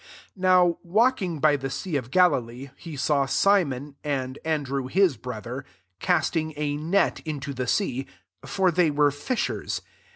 16 Now, walking by the sea of Galilee, he saw Simon, and Andrew his brother, casting a net into the sea : for they were fishers.